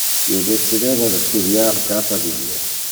Io decideva de studiar cata die.